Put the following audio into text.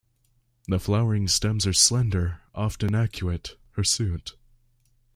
The flowering stems are slender, often arcuate, hirsute.